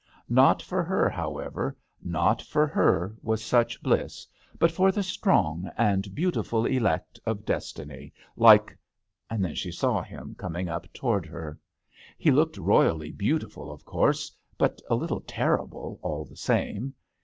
Not for her, however, not for her was such bliss, but for the strong and beautiful elect of destiny, like Then she saw him coming up towards her. He looked royally beautiful, of course, but a little terrible all the same.